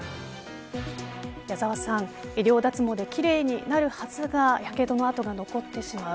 矢沢さん医療脱毛で奇麗になるはずがやけどの痕が残ってしまう。